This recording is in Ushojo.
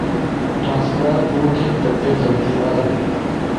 ٹرانسکرائب ووٹنگ در ایک غلطی آلی